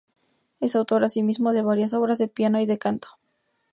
Es autor asimismo de varias obras de piano y de canto.